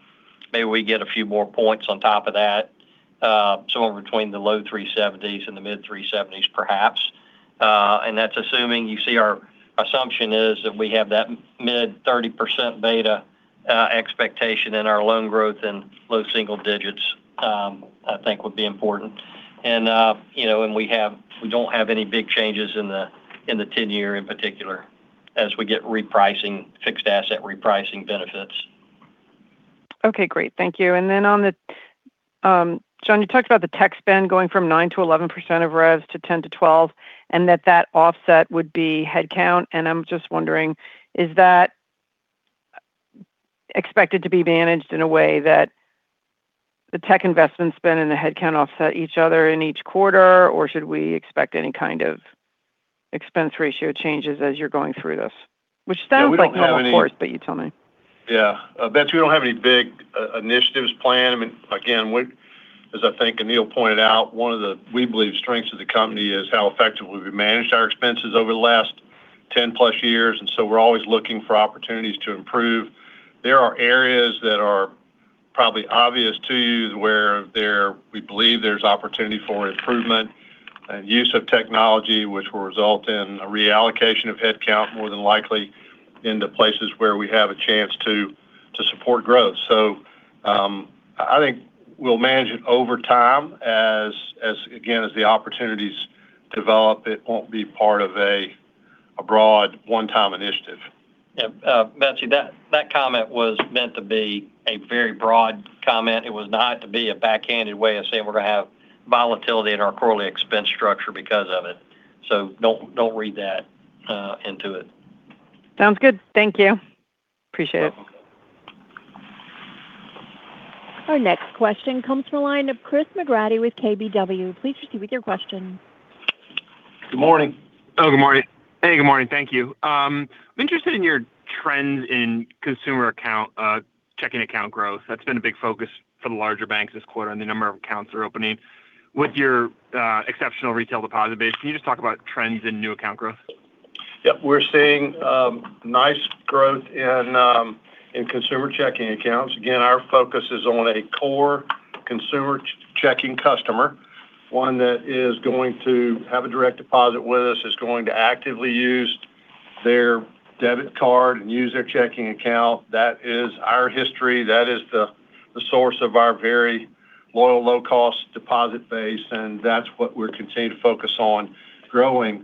Speaker 10: maybe we get a few more points on top of that, somewhere between the low 370s and the mid 370s, perhaps. And that's assuming you see our assumption is that we have that mid-30% beta expectation in our loan growth and low single digits, I think would be important. And we don't have any big changes in the 10-year in particular as we get fixed asset repricing benefits.
Speaker 15: Okay. Great. Thank you. And then, John, you talked about the tech spend going from 9%-11% of revs to 10%-12%, and that offset would be headcount. I'm just wondering, is that expected to be managed in a way that the tech investments spend and the headcount offset each other in each quarter, or should we expect any kind of expense ratio changes as you're going through this? Which sounds like no, of course, but you tell me.
Speaker 3: Yeah. Betsy, we don't have any big initiatives planned. I mean, again, as I think Anil pointed out, one of the, we believe, strengths of the company is how effectively we've managed our expenses over the last 10-plus years. We're always looking for opportunities to improve. There are areas that are probably obvious to you where we believe there's opportunity for improvement and use of technology, which will result in a reallocation of headcount more than likely into places where we have a chance to support growth. So I think we'll manage it over time as, again, as the opportunities develop. It won't be part of a broad one-time initiative. Yeah. Betsy, that comment was meant to be a very broad comment. It was not to be a backhanded way of saying we're going to have volatility in our quarterly expense structure because of it. So don't read that into it.
Speaker 15: Sounds good. Thank you.
Speaker 3: Appreciate it. Our next question comes from the line of Chris McGraty with KBW. Please proceed with your question. Good morning. Oh, good morning.
Speaker 16: Hey, good morning. Thank you. I'm interested in your trends in consumer checking account growth. That's been a big focus for the larger banks this quarter and the number of accounts they're opening. With your exceptional retail deposit base, can you just talk about trends in new account growth?
Speaker 4: Yep. We're seeing nice growth in consumer checking accounts. Again, our focus is on a core consumer checking customer, one that is going to have a direct deposit with us, is going to actively use their debit card and use their checking account. That is our history. That is the source of our very loyal, low-cost deposit base, and that's what we're continuing to focus on growing.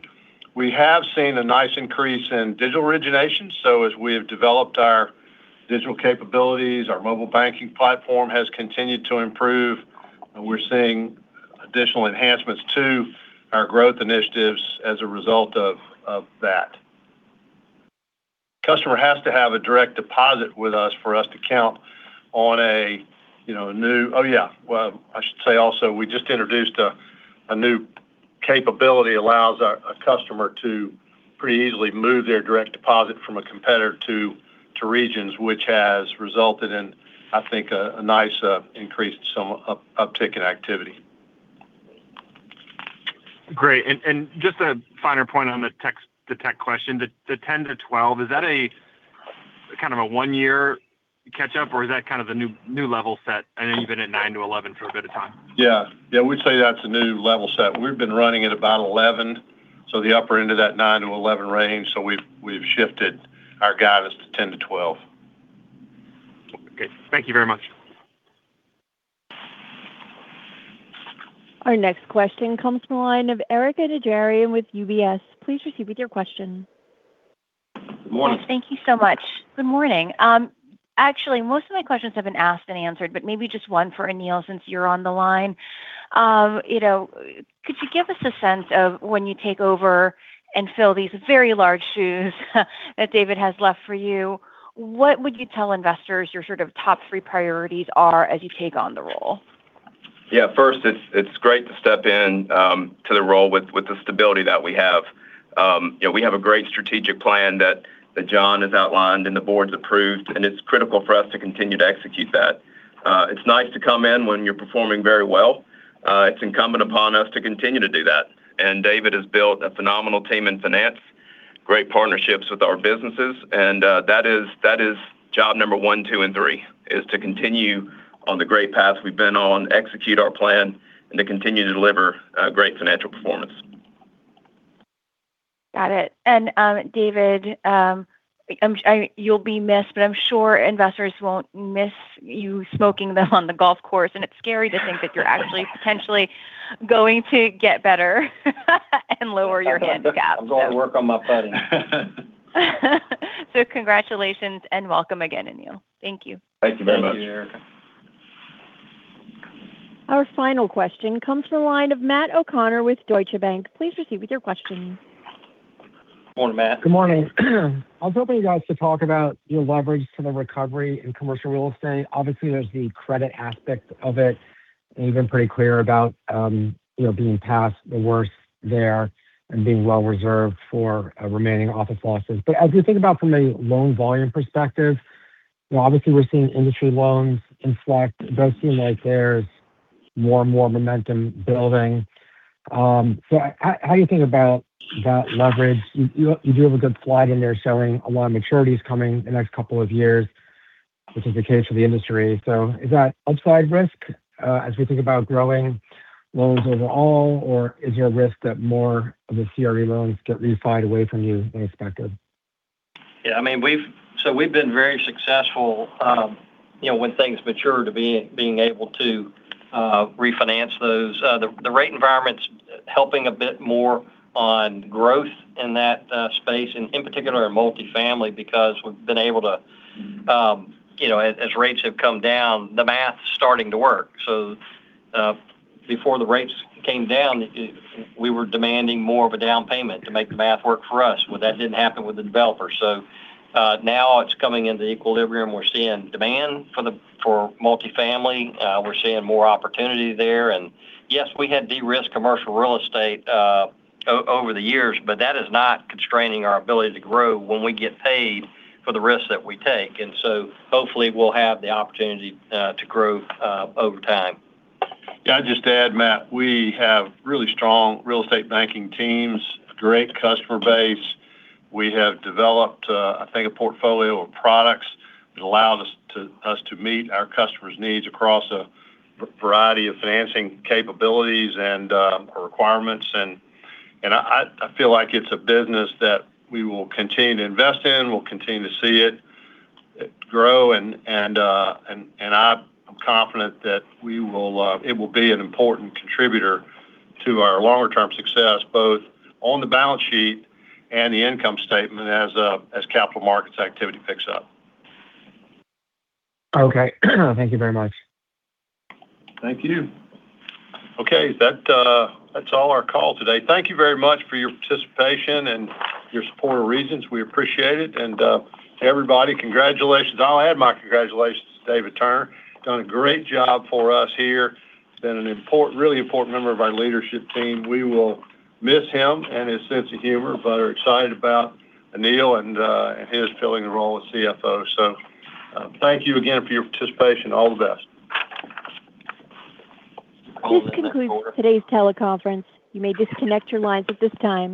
Speaker 4: We have seen a nice increase in digital origination. So as we have developed our digital capabilities, our mobile banking platform has continued to improve, and we're seeing additional enhancements to our growth initiatives as a result of that. Customer has to have a direct deposit with us for us to count on a new, oh yeah. Well, I should say also, we just introduced a new capability that allows a customer to pretty easily move their direct deposit from a competitor to Regions, which has resulted in, I think, a nice increased uptick in activity.
Speaker 16: Great. And just a finer point on the tech question, the 10-12, is that kind of a one-year catch-up, or is that kind of a new level set? I know you've been at 9-11 for a bit of time.
Speaker 4: Yeah. Yeah. We'd say that's a new level set. We've been running at about 11, so the upper end of that 9-11 range. So we've shifted our guidance to 10-12. Okay. Thank you very much.
Speaker 1: Our next question comes from the line of Erika Najarian with UBS. Please proceed with your question. Good morning.
Speaker 17: Thank you so much. Good morning. Actually, most of my questions have been asked and answered, but maybe just one for Anil since you're on the line. Could you give us a sense of, when you take over and fill these very large shoes that David has left for you, what would you tell investors your sort of top three priorities are as you take on the role?
Speaker 10: Yeah. First, it's great to step into the role with the stability that we have. We have a great strategic plan that John has outlined and the board's approved, and it's critical for us to continue to execute that. It's nice to come in when you're performing very well. It's incumbent upon us to continue to do that. David has built a phenomenal team in finance, great partnerships with our businesses, and that is job number one, two, and three, is to continue on the great path we've been on, execute our plan, and to continue to deliver great financial performance.
Speaker 17: Got it. And David, you'll be missed, but I'm sure investors won't miss you smoking them on the golf course, and it's scary to think that you're actually potentially going to get better and lower your handicap.
Speaker 4: I'm going to work on my putting.
Speaker 17: So congratulations and welcome again, Anil. Thank you.
Speaker 10: Thank you very much.
Speaker 4: Thank you, Erika.
Speaker 1: Our final question comes from the line of Matt O'Connor with Deutsche Bank. Please proceed with your question.
Speaker 4: Good morning, Matt.
Speaker 18: Good morning. I was hoping you guys to talk about your leverage to the recovery in commercial real estate. Obviously, there's the credit aspect of it, and you've been pretty clear about being past the worst there and being well-reserved for remaining office losses. But as we think about from a loan volume perspective, obviously, we're seeing industry loans in flux. It does seem like there's more and more momentum building. So how do you think about that leverage? You do have a good slide in there showing a lot of maturities coming the next couple of years, which is the case for the industry. So is that upside risk as we think about growing loans overall, or is there a risk that more of the CRE loans get refinanced away from you unexpectedly?
Speaker 4: Yeah. I mean, so we've been very successful when things mature to being able to refinance those. The rate environment's helping a bit more on growth in that space, and in particular in multifamily, because we've been able to, as rates have come down, the math's starting to work. So before the rates came down, we were demanding more of a down payment to make the math work for us, but that didn't happen with the developers. So now it's coming into equilibrium. We're seeing demand for multifamily. We're seeing more opportunity there. And yes, we had de-risk commercial real estate over the years, but that is not constraining our ability to grow when we get paid for the risks that we take. And so hopefully, we'll have the opportunity to grow over time. Yeah. I'd just add, Matt, we have really strong real estate banking teams, a great customer base. We have developed, I think, a portfolio of products that allow us to meet our customers' needs across a variety of financing capabilities and requirements. And I feel like it's a business that we will continue to invest in. We'll continue to see it grow, and I'm confident that it will be an important contributor to our longer-term success, both on the balance sheet and the income statement as Capital Markets activity picks up. Okay. Thank you very much. Thank you. Okay. That's all our call today. Thank you very much for your participation and your support of Regions. We appreciate it. And everybody, congratulations. I'll add my congratulations to David Turner. Done a great job for us here. Been a really important member of our leadership team. We will miss him and his sense of humor, but are excited about Anil and his filling the role as CFO. So thank you again for your participation. All the best.
Speaker 1: This concludes today's teleconference. You may disconnect your lines at this time.